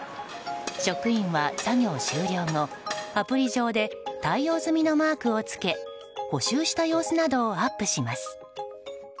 職員は作業終了後、アプリ上で対応済みのマークをつけ補修した様子などをアップします。